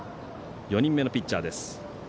４人目のピッチャーです。